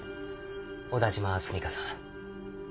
小田島澄香さん。